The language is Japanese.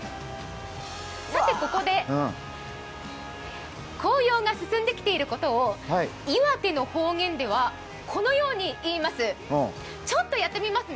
ここで、紅葉が進んできていることを岩手の方言ではこのように言います。